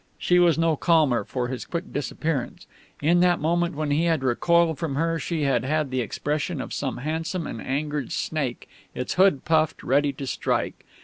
She was no calmer for his quick disappearance. In that moment when he had recoiled from her she had had the expression of some handsome and angered snake, its hood puffed, ready to strike.